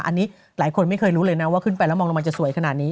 อันนี้หลายคนไม่เคยรู้เลยนะว่าขึ้นไปแล้วมองลงมาจะสวยขนาดนี้